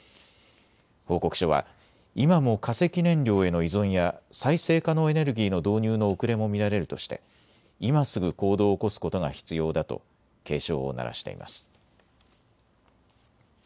報告書は今も化石燃料への依存や再生可能エネルギーの導入の遅れも見られるとして今すぐ行動を起こすことが必要だと警鐘を鳴らしています。